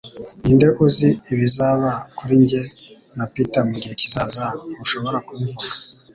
Ninde uzi ibizaba kuri njye na Peter mugihe kizaza - ntushobora kubivuga